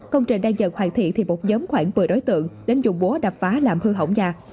công trình đang dần hoàn thiện thì một nhóm khoảng một mươi đối tượng đến dụng búa đập phá làm hư hỏng nhà